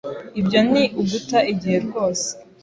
Ibyo ni uguta igihe rwose.